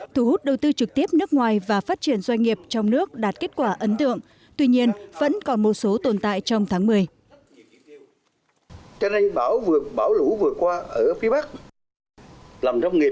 thu hút đầu tư trực tiếp nước ngoài và phát triển doanh nghiệp trong nước đạt kết quả ấn tượng tuy nhiên vẫn còn một số tồn tại trong tháng một mươi